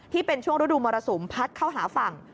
ที่เป็นช่วงฤดูมรสุมพัดเข้าหาฝั่ง